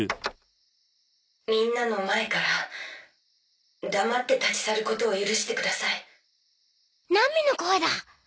みんなの前から黙って立ち去ることを許してくださいナミの声だ